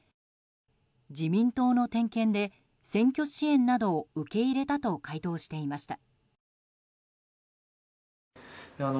自民党の点検で選挙支援などを受け入れたと回答していました。